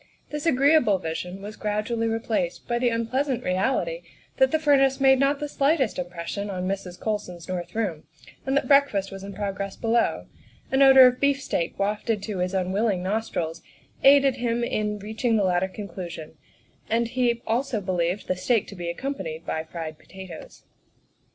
This agreeable vision was gradually replaced by the unpleasant reality that the furnace made not the slightest impression on Mrs. Colson's north room, and that breakfast was in progress below; an odor of beef steak wafted to his unwilling nostrils aided him in reaching the latter conclusion, and he also believed the steak to be accompanied by fried potatoes.